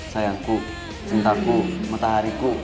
sayang ku cinta ku matahari ku